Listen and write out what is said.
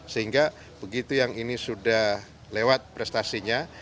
sehingga begitu yang ini sudah lewat prestasinya